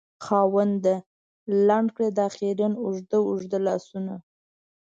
خاونده! لنډ کړې دا خیرن اوږده اوږده لاسونه